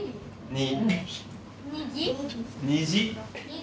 「虹」。